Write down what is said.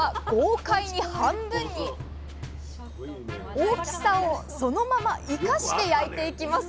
大きさをそのまま生かして焼いていきます。